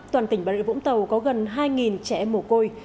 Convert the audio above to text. toàn tỉnh bà rịa vũng tàu có gần hai trẻ em mồ côi